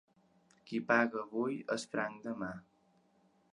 Qui paga avui és franc demà.